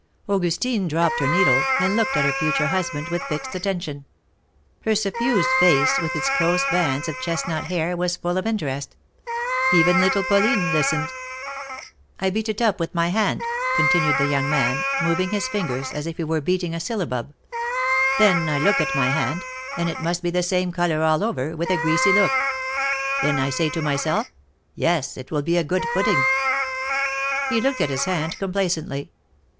Augustine dropped her needle, and looked at her future husband with fixed attention. Her suffused face, with its close bands of chestnut hair, was full of interest. Even little^Pauline listened. " I beat it up with my hand," continued the young roan, moving his fingers as if he were beating a syllabub. " Then I look at my hand, and it must be the same color all over, with a greasy look. Then I say to myself: 'Yes, it will be a good pudding.'" He looked at his hand complacently.